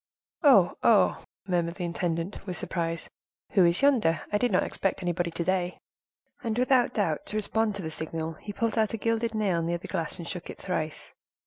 "Oh! oh!" murmured the intendant, with surprise, "who is yonder? I did not expect anybody to day." And without doubt, to respond to the signal, he pulled out a gilded nail near the glass, and shook it thrice.